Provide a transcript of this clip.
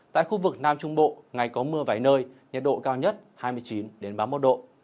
tại khu vực nam trung bộ ngày có mưa vài nơi nhiệt độ cao nhất hai mươi chín ba mươi một độ